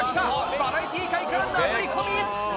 バラエティ界から殴り込み！